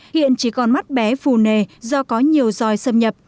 hiện chỉ còn mắt bé phù nề do có nhiều dòi xâm nhập